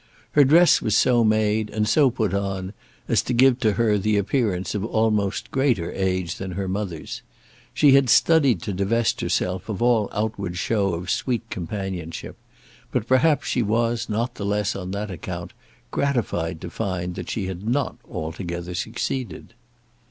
Her dress was so made, and so put on, as to give to her the appearance of almost greater age than her mother's. She had studied to divest herself of all outward show of sweet companionship; but perhaps she was not the less, on that account, gratified to find that she had not altogether succeeded.